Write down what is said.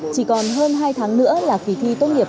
chỉ còn hơn hai tháng nữa là kỳ thi tốt nghiệp